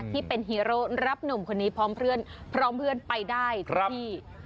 ที่เป็นฮีโร่รับหนุ่มคนนี้พร้อมเพื่อนไปได้ทุกที่